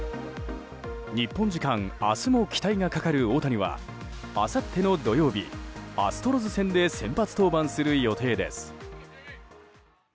日本時間明日も期待がかかる大谷はあさっての土曜日アストロズ戦で先発登板する予定です。